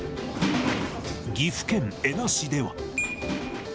岐阜県恵那市では。